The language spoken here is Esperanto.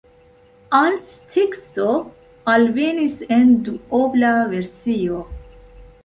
Als teksto alvenis en duobla versio.